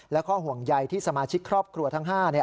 และข้อห่วงใยที่สมาชิกครอบครัวทั้ง๕